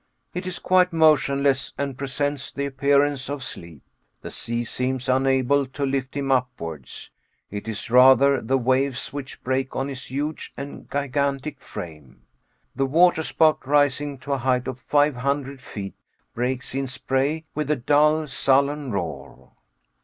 It is quite motionless and presents the appearance of sleep. The sea seems unable to lift him upwards; it is rather the waves which break on his huge and gigantic frame. The waterspout, rising to a height of five hundred feet, breaks in spray with a dull, sullen roar.